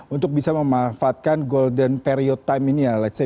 untuk bisa memanfaatkan golden period time ini